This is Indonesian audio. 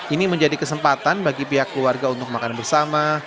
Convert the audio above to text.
ini menjadi kesempatan bagi pihak keluarga untuk makan bersama